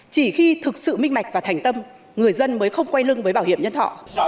chỉ khi thực sự minh mạch và thành tâm người dân mới không quay lưng với bảo hiểm nhân thọ